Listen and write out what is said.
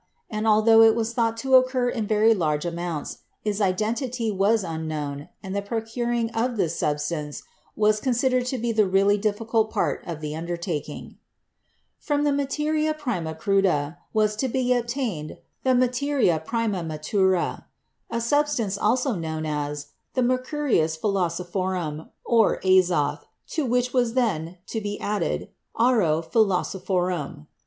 and altho it was thought to occur in very large amounts, its identity was unknown and the procuring of this sub stance was considered to be the really difficult part of the undertaking. From the "materia prima cruda" was to be obtained the "materia prima matura," a substance also known as the "mercurius philosophorum," or "azoth," to which was then to be added "auro philosophorum."